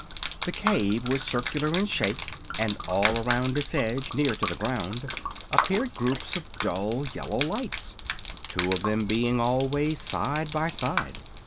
The cave was circular in shape, and all around its edge, near to the ground, appeared groups of dull yellow lights, two of them being always side by side.